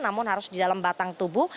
namun harus di dalam batang tubuh